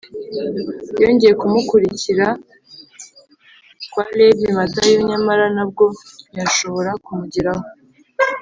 yongeye kumukurikira kwa levi matayo, nyamara na bwo ntiyashobora kumugeraho